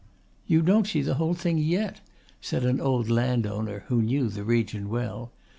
"You don't see the whole thing yet," said an old landowner who knew the region well.